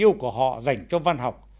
yêu của họ dành cho văn học